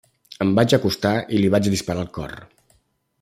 Em vaig acostar i li vaig disparar al cor.